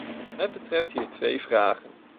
Het betreft hier twee vragen.